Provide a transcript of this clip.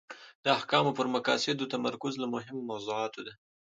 د احکامو پر مقاصدو تمرکز له مهمو موضوعاتو ده.